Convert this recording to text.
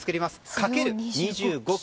かける２５基。